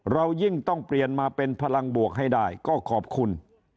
เรายิ่งต้องเปลี่ยนมาเป็นพลังบวกให้ได้ก็ขอบคุณ